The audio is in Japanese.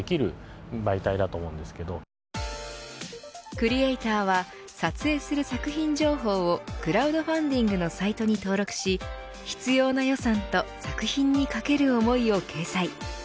クリエイターは撮影する作品情報をクラウドファンディングのサイトに登録し必要な予算と作品にかける思いを掲載。